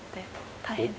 大変です。